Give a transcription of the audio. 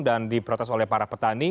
dan diprotes oleh para petani